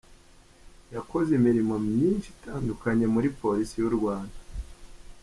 Yakoze imirimo myinshi itandukanye muri Polisi y’u Rwanda.